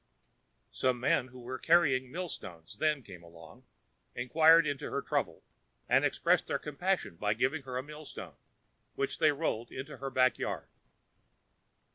Some men who were carrying mill stones then came along, inquired into her trouble, and expressed their compassion by giving her a mill stone, which they rolled into her back yard.